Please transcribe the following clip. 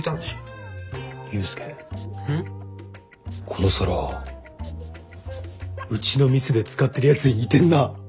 この皿うちの店で使ってるやつに似てんな。